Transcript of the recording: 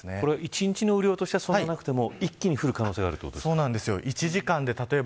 １日の雨量としてはそんなになくても一気に降る可能性があるということですか。